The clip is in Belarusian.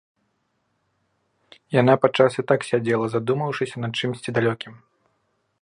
Яна падчас і так сядзела, задумаўшыся над чымсьці далёкім.